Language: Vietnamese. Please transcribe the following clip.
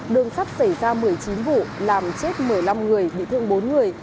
đường sắt xảy ra một mươi chín vụ làm chết một mươi năm người bị thương bốn người